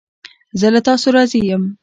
زه له تاسو راضی یم